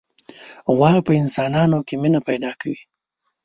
غوا په انسانانو کې مینه پیدا کوي.